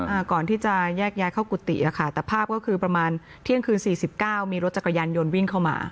อ่าก่อนที่จะแยกย้ายเข้ากุฏิอ่ะค่ะแต่ภาพก็คือประมาณเที่ยงคืนสี่สิบเก้ามีรถจักรยานยนต์วิ่งเข้ามา